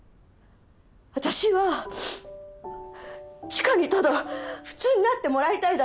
私は知花にただ普通になってもらいたいだけ。